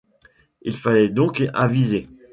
Il fallait donc aviser